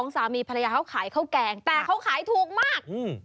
สามีภรรยาเขาขายข้าวแกงแต่เขาขายถูกมาก